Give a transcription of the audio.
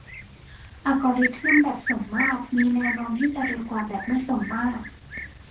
อัลกอริทึมแบบสมมาตรมีแนวโน้มที่จะเร็วกว่าแบบไม่สมมาตร